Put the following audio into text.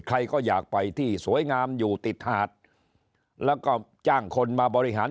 ใครก็อยากไปที่สวยงามอยู่ติดหาดแล้วก็จ้างคนมาบริหาร